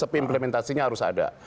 tapi implementasinya harus ada